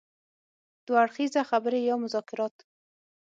دوه اړخیزه خبرې يا مذاکرات.